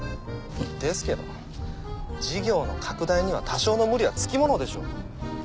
ですけど事業の拡大には多少の無理はつきものでしょう。